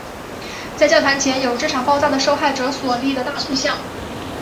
在教堂前有给这场爆炸的受害者所立的大塑像。